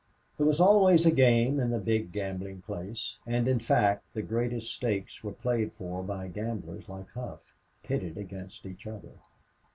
There was always a game in the big gambling place, and in fact the greatest stakes were played for by gamblers like Hough, pitted against each other.